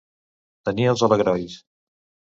Tenir els alegrois.